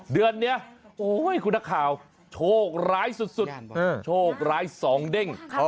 เดือนนี้คุณนักข่าวโชคร้ายสุดโชคร้ายสองเด้ง